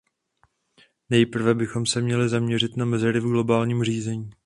Nejprve bychom se měli zaměřit na mezery v globálním řízení.